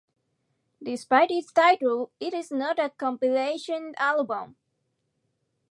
Despite its title, it is not a compilation album.